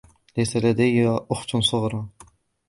ليس لدي أخت صغرى.